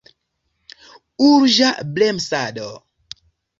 Urĝa bremsado!